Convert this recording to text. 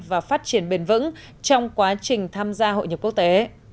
và phát triển bền vững trong quá trình tham gia hội nhập quốc tế